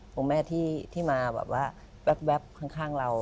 พวกแม่ที่มาแว๊บข้างเรา